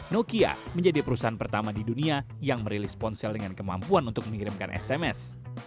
nokia menjadi perusahaan pertama di dunia yang merilis ponsel dengan kemampuan untuk mengirimkan sms